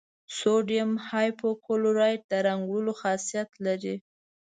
سوډیم هایپو کلورایټ د رنګ وړلو خاصیت لري.